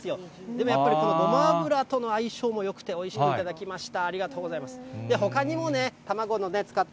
もうね、やっぱりこのごま油との相性もよくて、おいしく頂きました。